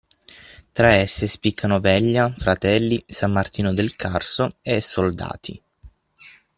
Tra esse spiccano Veglia, Fratelli, San Martino del Carso e Soldati.